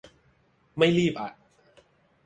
ไม่รีบอะ